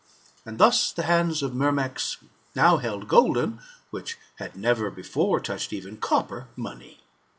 And thus the hands of Myrmex now held golden, which had never before touched even copper money.